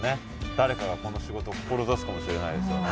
誰かがこの仕事を志すかもしれないですよね。